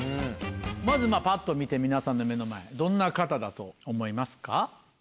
まずパッと見て皆さんの目の前どんな方だと思いますか？